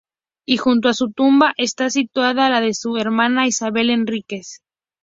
Y junto a su tumba está situada la de su hermana, Isabel Enríquez.